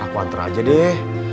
aku antar aja deh